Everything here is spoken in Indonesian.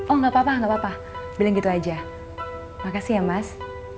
oh nggak apa apa bila gitu aja makasih ya mas